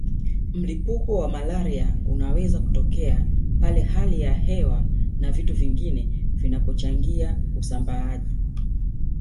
Mlipuko wa malaria unaweza kutokea pale hali ya hewa na vitu vingine vitakapochangia usambaaji